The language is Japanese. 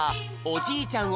おじいちゃん